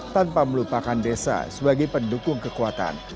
tanpa melupakan desa sebagai pendukung kekuatan